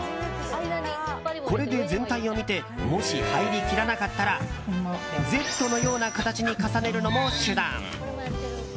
これで全体を見てもし入りきらなかったら「Ｚ」のような形に重ねるのも手段。